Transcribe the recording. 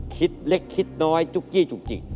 คิดเล็กคิดน้อยจุ๊กกี้จุกจิก